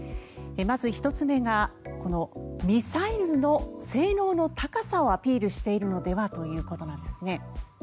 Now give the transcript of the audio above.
まず１つ目がこのミサイルの性能の高さをアピールしているのではということなんですね。